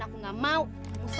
yang jangan losers